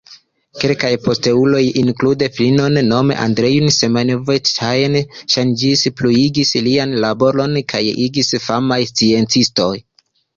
Kelkaj posteuloj, inklude filon, nome Andrej Semjonov-Tjan-Ŝanskij, pluigis lian laboron kaj iĝis famaj sciencistoj.